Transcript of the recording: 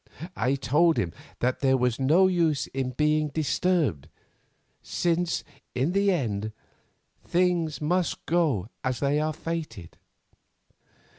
I told him that there was no use in being disturbed, since, in the end, things must go as they are fated.